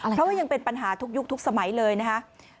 เพราะว่ายังเป็นปัญหาทุกยุคทุกสมัยเลยนะครับ